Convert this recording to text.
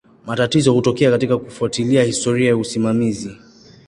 Matatizo hutokea katika kufuatilia historia ya usimamizi.